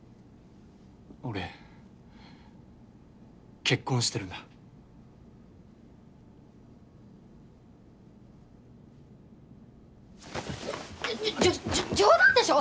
俺結婚してるんだ冗談でしょ？